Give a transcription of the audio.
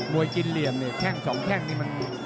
วยกินเหลี่ยมเนี่ยแข้งสองแข้งนี่มัน